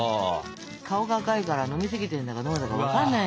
顔が赤いから飲みすぎてんだかどうだか分かんないのよ。